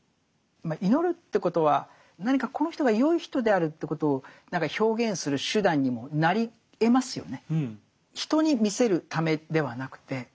祈るってことは何かこの人がよい人であるということを何か表現する手段にもなりえますよね。